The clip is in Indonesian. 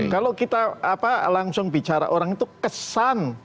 kalau kita langsung bicara orang itu kesan